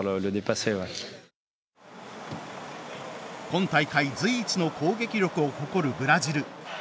今大会随一の攻撃力を誇るブラジル。